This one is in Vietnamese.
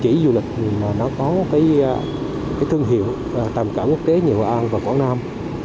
chúng tôi tin chắc đối với một địa chỉ du lịch có thương hiệu tạm cả quốc tế như hội an và quảng nam